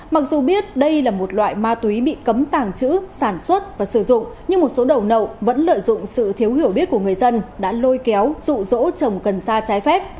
mặc dù biết đây là một loại ma túy bị cấm tàng trữ sản xuất và sử dụng nhưng một số đầu nậu vẫn lợi dụng sự thiếu hiểu biết của người dân đã lôi kéo rụ rỗ chồng cần sa trái phép